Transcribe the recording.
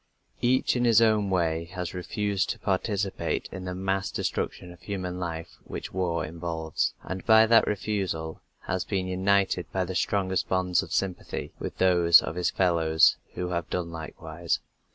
Each in his own way has refused to participate in the mass destruction of human life which war involves, and by that refusal has been united by the strongest bonds of sympathy with those of his fellows who have done likewise.